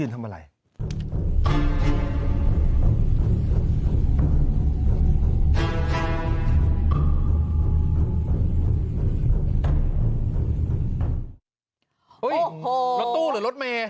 รถตู้หรือรถเมย์